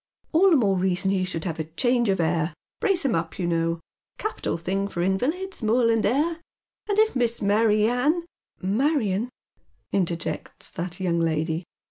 "All the more reason he should have change of air — brace him up, you know. Capital thing for invalids, moorland air. And if Miss Mary Ann "" Marion," interjects that young lady.